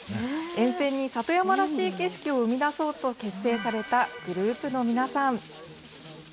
沿線に里山らしい景色を生み出そうと結成されたグループの皆さん。